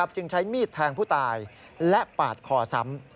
จึงใช้มีดแทงผู้ตายและปาดคอซ้ำ